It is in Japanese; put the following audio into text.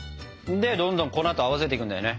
でどんどん粉と合わせていくんだよね。